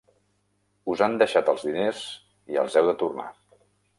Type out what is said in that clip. Us han deixat els diners i els heu de tornar.